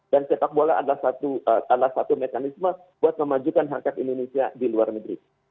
dan sepak bola adalah satu mekanisme buat memajukan hakikat indonesia di luar negeri